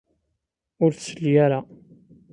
Ur tesli ara.